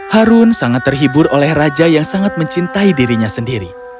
harun sangat terhibur oleh raja yang sangat mencintai dirinya sendiri